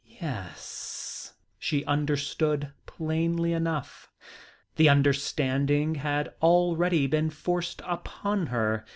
Yes! She understood, plainly enough. The understanding had already been forced upon her.